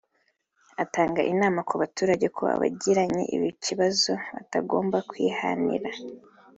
agatanga inama ku baturage ko abagiranye ikibazo batagomba kwihanira